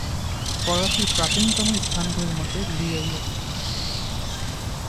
করাচীর প্রাচীনতম স্থানগুলির মধ্যে লিয়ারি একটি।